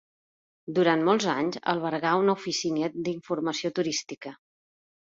Durant molts d'anys albergà una oficina d'informació turística.